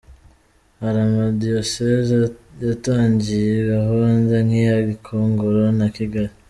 Hari amadiyoseze yatangiye iyi gahunda nk’iya Gikongoro na Kigali.